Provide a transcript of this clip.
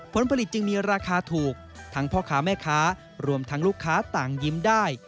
ผลผลิตจึงมีราคาถูกทั้งพ่อค้าแม่ค้ารวมทั้งลูกค้าต่างยิ้มได้